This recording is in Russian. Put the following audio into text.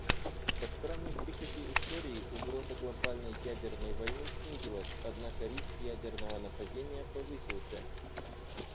По странной прихоти истории угроза глобальной ядерной войны снизилась, однако риск ядерного нападения повысился".